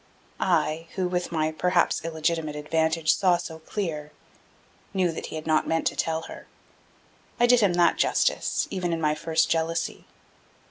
I, who with my perhaps illegitimate advantage saw so clear, knew that he had not meant to tell her: I did him that justice, even in my first jealousy.